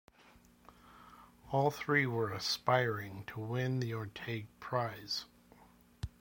All three were aspiring to win the Orteig Prize.